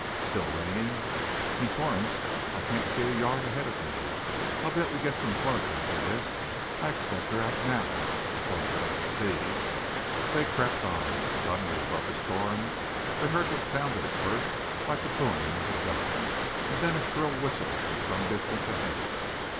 "Still raining?" "In torrents! I can't see a yard ahead of me. I bet we get some floods after this. I expect they are out now, if one could only see." They crept on. Suddenly, above the storm, they heard what sounded at first like the booming of a gun, and then a shrill whistle from some distance ahead.